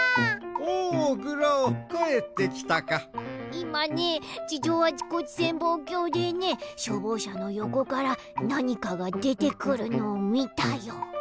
いまね地上あちこち潜望鏡でねしょうぼうしゃのよこからなにかがでてくるのをみたよ。